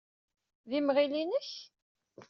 D imɣil-inek?